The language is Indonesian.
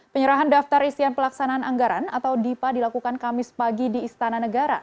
penyerahan daftar isian pelaksanaan anggaran atau dipa dilakukan kamis pagi di istana negara